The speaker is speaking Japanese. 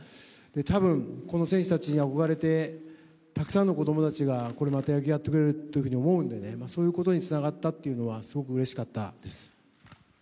多分この選手たちにあこがれてたくさんの子供たちがまた野球をやってくれると思うので、そういうことにつながったというのはすごくうれしかったです。